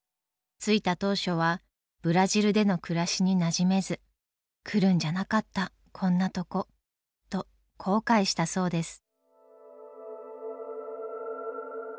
着いた当初はブラジルでの暮らしになじめず「来るんじゃなかったこんなとこ」と後悔したそうです。